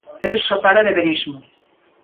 Celso fala de "verismo".